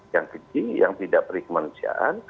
yang keji yang tidak beri kemanusiaan